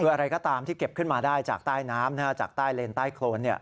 คืออะไรก็ตามที่เก็บขึ้นมาได้จากใต้น้ำจากใต้เลนใต้โครน